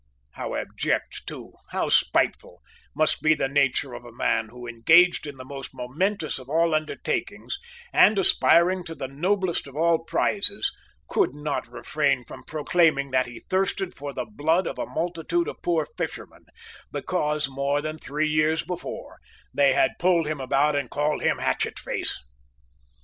How abject too, how spiteful, must be the nature of a man who, engaged in the most momentous of all undertakings, and aspiring to the noblest of all prizes, could not refrain from proclaiming that he thirsted for the blood of a multitude of poor fishermen, because, more than three years before, they had pulled him about and called him Hatchetface.